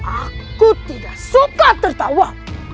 aku tidak suka tertawa